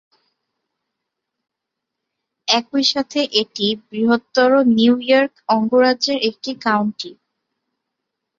একই সাথে এটি বৃহত্তর নিউ ইয়র্ক অঙ্গরাজ্যের একটি কাউন্টি।